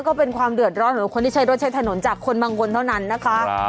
ก็เป็นความเดือดร้อนของคนที่ใช้รถใช้ถนนจากคนบางคนเท่านั้นนะคะ